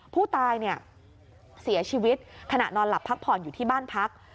ผู้ตายเนี่ยเสียชีวิตขณะนอนหลับพักผ่อนอยู่ที่บ้านพัก